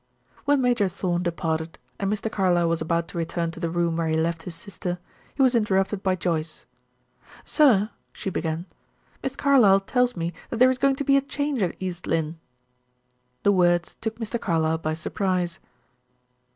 When Major Thorn departed, and Mr. Carlyle was about to return to the room where he left his sister, he was interrupted by Joyce. "Sir," she began. "Miss Carlyle tells me that there is going to be a change at East Lynne." The words took Mr. Carlyle by surprise.